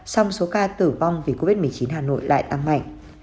song số ca tử vong vì covid một mươi chín hà nội lại tăng mạnh